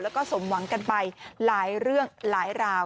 แล้วก็สมหวังกันไปหลายเรื่องหลายราว